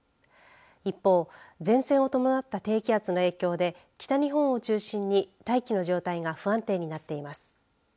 一方、前線を伴った低気圧の影響で北日本を中心に大気の状態が不安定になっています。